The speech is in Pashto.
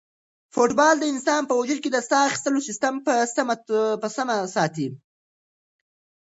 فوټبال د انسان په وجود کې د ساه اخیستلو سیسټم په سمه ساتي.